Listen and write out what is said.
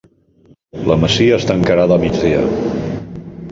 La masia està encarada a migdia.